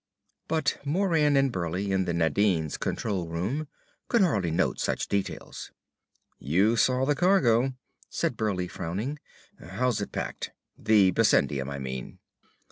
But Moran and Burleigh, in the Nadine's control room, could hardly note such details. "You saw the cargo," said Burleigh, frowning. "How's it packed? The bessendium, I mean."